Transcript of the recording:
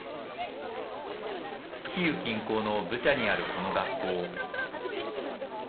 キーウ近郊のブチャにあるこの学校。